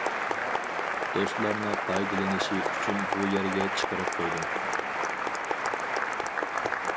دوستلارنىڭ پايدىلىنىشى ئۈچۈن بۇ يەرگە چىقىرىپ قويدۇم.